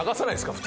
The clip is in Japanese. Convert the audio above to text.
普通」